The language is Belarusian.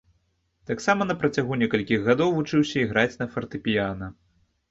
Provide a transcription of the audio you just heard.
Таксама на працягу некалькіх гадоў вучыўся іграць на фартэпіяна.